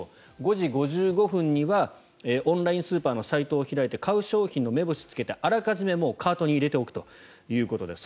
５時５５分にはオンラインスーパーのサイトを開いて買う商品の目星をつけてあらかじめ、カートに入れておくということです。